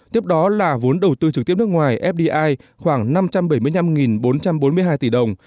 tiếp đó là vốn đầu tư trực tiếp nước ngoài fdi khoảng năm trăm bảy mươi năm bốn trăm bốn mươi hai tỷ đồng